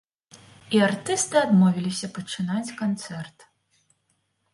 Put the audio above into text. І артысты адмовіліся пачынаць канцэрт.